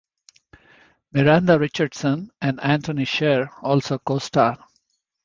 Miranda Richardson and Antony Sher also co-star.